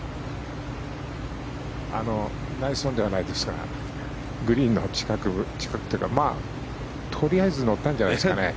ナイスオンではないですがグリーンの近くというかまあ、とりあえず乗ったんじゃないですかね。